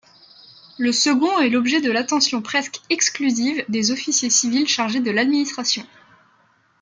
Le second est l'objet de l'attention presque exclusive des officiers civils chargés de l'administration.